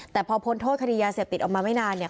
แต่พอพ้นโทษคดียาเสพติดออกมาไม่นานเนี่ย